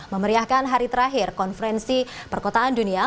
memeriahkan hari terakhir konferensi perkotaan dunia